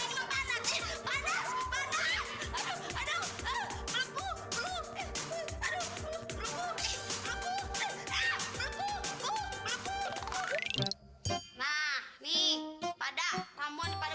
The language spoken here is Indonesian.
kayak gini ya hai enggak inget lupa ya enggak inget apa lupa sama aja